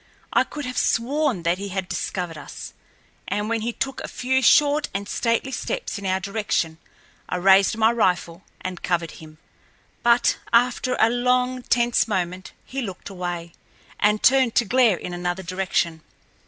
I could have sworn that he had discovered us, and when he took a few short and stately steps in our direction I raised my rifle and covered him. But, after a long, tense moment he looked away, and turned to glare in another direction.